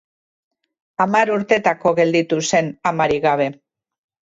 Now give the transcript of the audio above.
Hamar urtetako gelditu zen amarik gabe.